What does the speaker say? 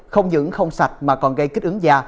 không những không sạch mà còn gây kích ứng da